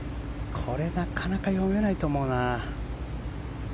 これなかなか読めないと思うな。